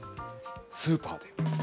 スーパーで。